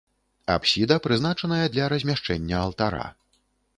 Апсіда прызначаная для размяшчэння алтара.